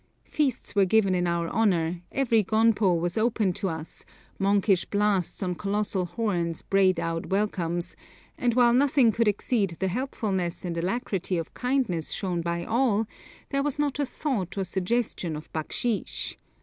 Feasts were given in our honour, every gonpo was open to us, monkish blasts on colossal horns brayed out welcomes, and while nothing could exceed the helpfulness and alacrity of kindness shown by all, there was not a thought or suggestion of backsheesh.